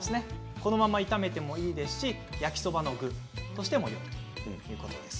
このまま炒めてもいいですし焼きそばの具としても使えます。